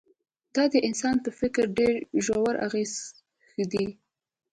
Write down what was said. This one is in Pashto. دا د انسان په فکر ډېر ژور اغېز ښندي